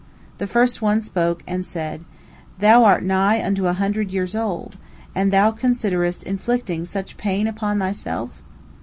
The first one spoke, and said, "Thou art nigh unto a hundred years old, and thou considerest inflicting such pain upon thyself?"